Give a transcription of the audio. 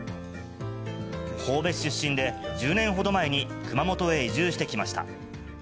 神戸市出身で、１０年ほど前に熊本へ移住してきました。